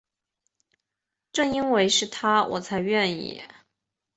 正因为是他我才愿意